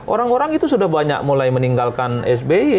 orang orang itu sudah banyak mulai meninggalkan sby